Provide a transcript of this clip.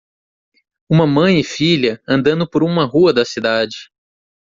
Uma mãe e filha andando por uma rua da cidade.